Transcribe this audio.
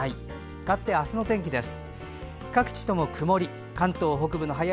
かわって明日の天気です。